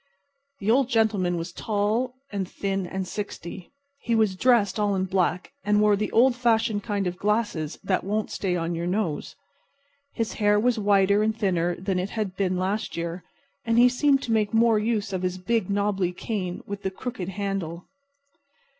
The Old Gentleman was thin and tall and sixty. He was dressed all in black, and wore the old fashioned kind of glasses that won't stay on your nose. His hair was whiter and thinner than it had been last year, and he seemed to make more use of his big, knobby cane with the crooked handle.